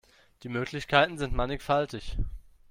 Die Möglichkeiten sind mannigfaltig.